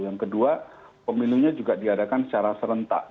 yang kedua pemilunya juga diadakan secara serentak